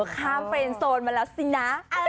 ข้ามเฟรนโซนมาแล้วสินะ